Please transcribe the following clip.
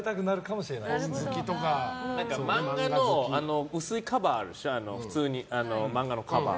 知ってたら漫画の薄いカバーあるでしょ普通に漫画のカバー。